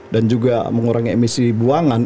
dan juga mengurangi emisi buangan